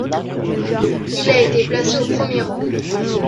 Il a été placé au premier rang.